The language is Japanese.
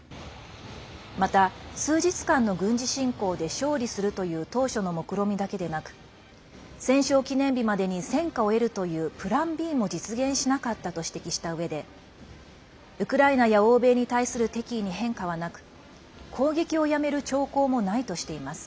また、数日間の軍事侵攻で勝利するという当初のもくろみだけでなく戦勝記念日までに戦果を得るというプランＢも実現しなかったと指摘したうえでウクライナや欧米に対する敵意に変化はなく攻撃をやめる兆候もないとしています。